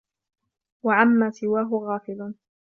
وَعَمَّا سِوَاهُ غَافِلٌ